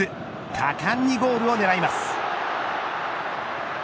果敢にゴールを狙います。